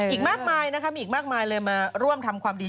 อีกมากมายนะคะมีอีกมากมายเลยมาร่วมทำความดี